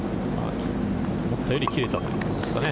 思ったより切れたということですかね。